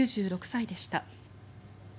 ９６歳でした。